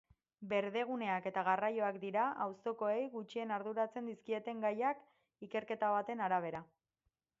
Berdeguneak eta garraioak dira auzokoei gutxien arduratzen dizkieten gaiak, ikerketa baten arabera.